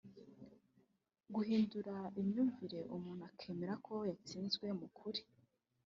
Guhindura imyumvire umuntu akemera ko yatsinzwe mu kuri